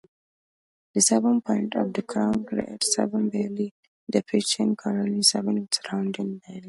The seven points of the crown create seven valleys depicting Cortland's seven surrounding valleys.